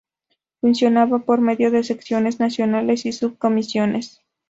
Funcionaba por medio de secciones nacionales y subcomisiones.